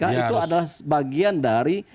ya itu adalah bagian dari